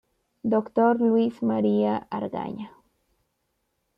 Dr. Luis María Argaña.